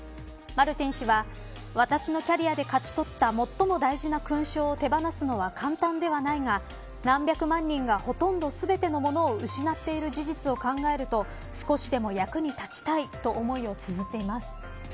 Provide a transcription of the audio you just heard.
マルティン氏は私のキャリアで勝ち取った最も大事な勲章を手放すのは簡単ではないが何百万人がほとんど全てのものを失っている事実を考えると少しでも役に立ちたいと思いをつづっています。